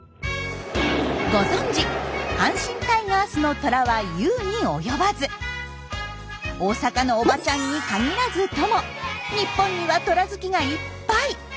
ご存じ阪神タイガースのトラは言うに及ばず大阪のおばちゃんに限らずとも日本にはトラ好きがいっぱい。